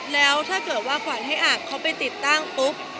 แล้วถ้าเกิดว่าขวัญให้อาบเขาไปติดตั้งปุ๊บ